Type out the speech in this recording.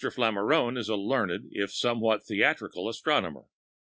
Flammarion is a learned, if somewhat "yellow" astronomer.